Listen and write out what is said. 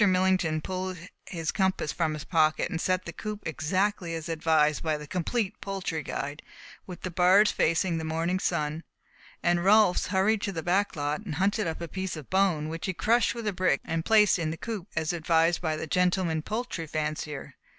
Millington pulled his compass from his pocket and set the coop exactly as advised by "The Complete Poultry Guide," with the bars facing the morning sun, and Rolfs hurried into the back lot and hunted up a piece of bone, which he crushed with a brick and placed in the coop, as advised by "The Gentleman Poultry Fancier."